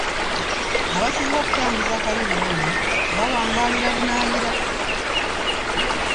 Abasinga okutambuza kalebule ono bawangaalira bunaayira